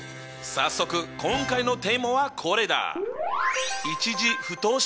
早速今回のテーマはこれだ。